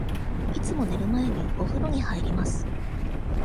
いつも寝る前に、おふろに入ります。